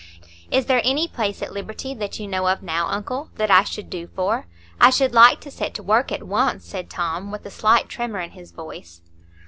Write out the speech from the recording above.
"Is there any place at liberty that you know of now, uncle, that I should do for? I should like to set to work at once," said Tom, with a slight tremor in his voice.